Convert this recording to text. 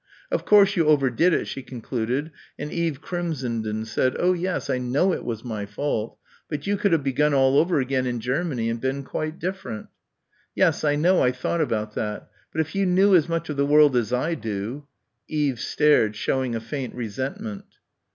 "Of course you overdid it," she concluded, and Eve crimsoned and said, "Oh yes, I know it was my fault. But you could have begun all over again in Germany and been quite different." "Yes, I know I thought about that.... But if you knew as much of the world as I do...." Eve stared, showing a faint resentment.